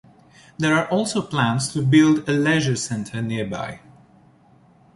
There are also plans to build a leisure centre nearby.